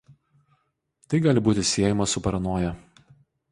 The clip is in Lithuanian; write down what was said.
Tai gali būti siejama su paranoja.